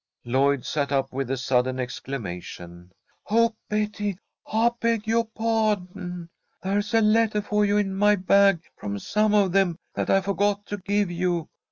Lloyd sat up with a sudden exclamation. "Oh, Betty, I beg yoah pah'don. There's a lettah for you in my bag from some of them that I forgot to give you.